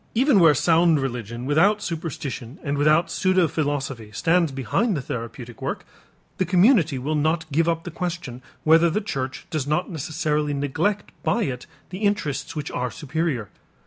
Even where sound religion without superstition and without pseudophilosophy stands behind the therapeutic work, the community will not give up the question whether the church does not necessarily neglect by it the interests which are superior.